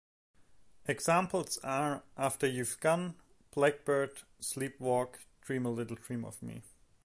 Examples are 'After You've Gone', 'Blackbird', 'Sleep Walk', 'Dream A Little Dream Of Me'.